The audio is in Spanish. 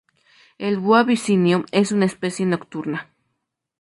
El búho abisinio es una especie nocturna.